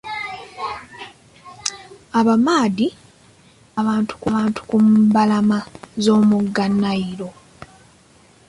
Abamadi baagoba abantu ku mbalama z'omugga Nile.